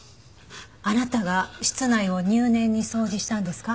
あなたが室内を入念に掃除したんですか？